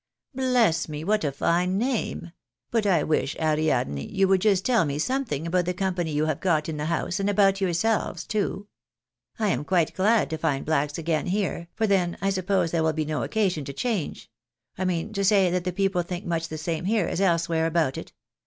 " Bless me ! what a fine name ! But I wish, Ariadne, you ■would just tell me something about the company you have got in the house, and about yourselves too. I am quite glad to find blacks again here, for then I suppose there will be no occasion to change ■— I mean to say that the people think much the same here as else where about it.